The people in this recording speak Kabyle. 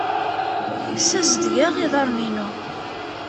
Ssazedgeɣ iḍarren-inu.